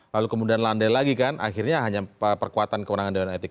lalu kemudian landai lagi kan akhirnya hanya perkuatan kewenangan dewan etik